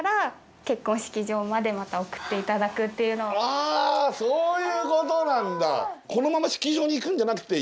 あそういうことなんだ。